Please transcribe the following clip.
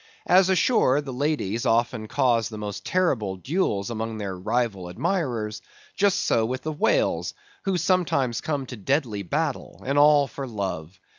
As ashore, the ladies often cause the most terrible duels among their rival admirers; just so with the whales, who sometimes come to deadly battle, and all for love.